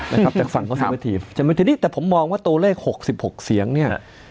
นะครับจากฝั่งของเศรษฐฐีแต่ผมมองว่าตัวเลข๖๖เสียงเนี่ย